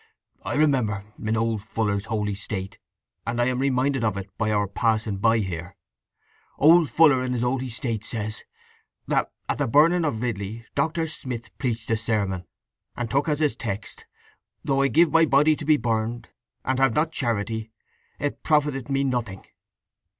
"I remember—in old Fuller's Holy State—and I am reminded of it—by our passing by here—old Fuller in his Holy State says, that at the burning of Ridley, Doctor Smith—preached sermon, and took as his text _'Though I give my body to be burned, and have not charity, it profiteth me nothing.